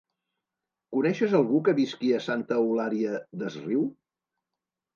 Coneixes algú que visqui a Santa Eulària des Riu?